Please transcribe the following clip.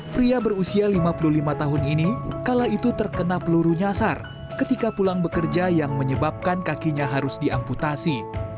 pria berusia lima puluh lima tahun ini kala itu terkena peluru nyasar ketika pulang bekerja yang menyebabkan kakinya harus diamputasi